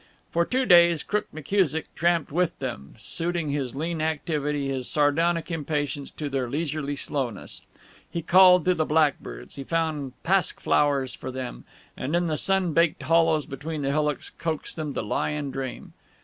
For two days Crook McKusick tramped with them, suiting his lean activity, his sardonic impatience, to their leisurely slowness. He called to the blackbirds, he found pasque flowers for them, and in the sun baked hollows between hillocks coaxed them to lie and dream.